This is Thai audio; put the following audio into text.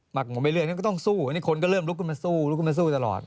หมักมุมไปเรื่อยก็ต้องสู้คนก็เริ่มรุกขึ้นมาสู้รุกนี่ขึ้นมาสู้ตลอด